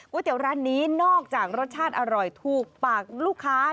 เตี๋ยวร้านนี้นอกจากรสชาติอร่อยถูกปากลูกค้า